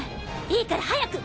いいから早く！